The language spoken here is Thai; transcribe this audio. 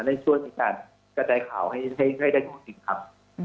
ก็จะได้ช่วงกันกระจายข่าวให้ได้ข้อติดครับ